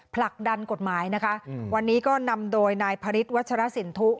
ผลักดันกฎหมายนะคะวันนี้ก็นำโดยนายพระฤทธวัชรสินทุ